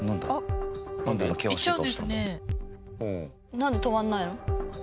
なんで止まんないの？